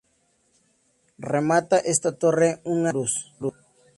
Remata esta torre una gran cruz.